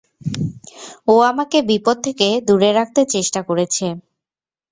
ও আমাকে বিপদ থেকে দুরে রাখতে চেষ্টা করেছে।